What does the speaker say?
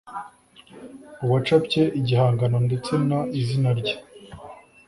uwacapye igihangano ndetse n izina rye